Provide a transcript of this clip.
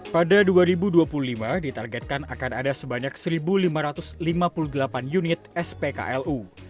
pada dua ribu dua puluh lima ditargetkan akan ada sebanyak satu lima ratus lima puluh delapan unit spklu